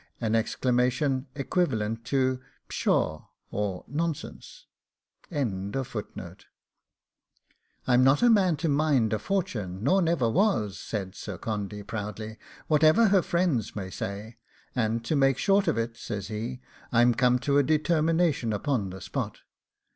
an exclamation equivalent to PSHAW or NONSENSE 'I'm not a man to mind a fortune, nor never was,' said Sir Condy, proudly, 'whatever her friends may say; and to make short of it,' says he, 'I'm come to a determination upon the spot.